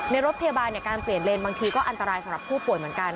รถพยาบาลการเปลี่ยนเลนบางทีก็อันตรายสำหรับผู้ป่วยเหมือนกัน